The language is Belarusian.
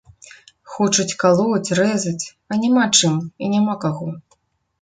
Хочуць калоць, рэзаць, а няма чым і няма каго.